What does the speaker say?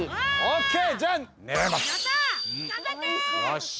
よし。